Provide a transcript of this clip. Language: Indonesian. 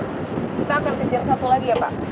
kita akan kejar satu lagi ya pak